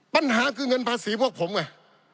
ปัญหาคือเงินภาษีพวกผมไง